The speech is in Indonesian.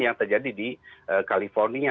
yang terjadi di california